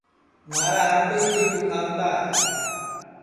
مھارا ہر کوئی جیو دُؔکھاوتا ہے